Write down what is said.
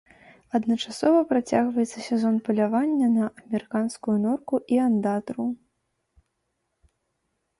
Адначасова працягваецца сезон палявання на амерыканскую норку і андатру.